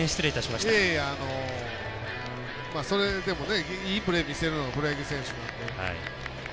まあ、それでもねいいプレー見せるのがプロ野球選手なので。